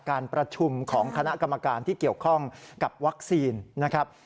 การประชุมของคณะกรรมการที่เกี่ยวข้องกับวัคซีนนะครับ